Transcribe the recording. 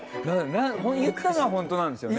言ったのは本当なんですよね？